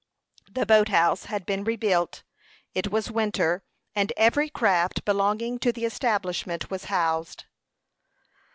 The boat house had been rebuilt. It was winter, and every craft belonging to the establishment was housed.